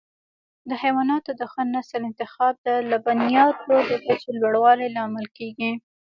د حیواناتو د ښه نسل انتخاب د لبنیاتو د کچې لوړولو لامل کېږي.